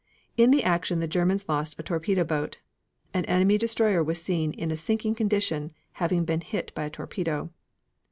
In the action the Germans lost a torpedo boat. An enemy destroyer was seen in a sinking condition, having been hit by a torpedo.